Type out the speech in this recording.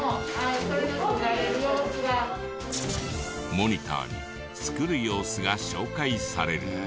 モニターに作る様子が紹介される。